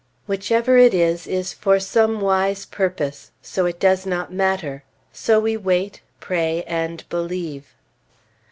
Whichever it is, is for some wise purpose; so it does not matter, so we wait, pray, and believe.